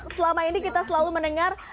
selama ini kita selalu mendengar